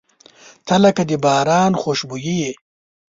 • ته لکه د باران خوشبويي یې.